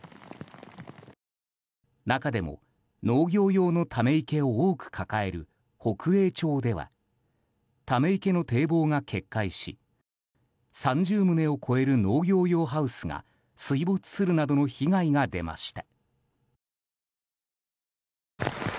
中でも、農業用のため池を多く抱える北栄町ではため池の堤防が決壊し３０棟を超える農業用ハウスが水没するなどの被害が出ました。